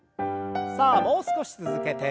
さあもう少し続けて。